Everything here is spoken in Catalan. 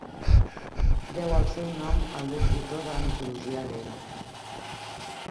Deu el seu nom al déu Tritó de la mitologia grega.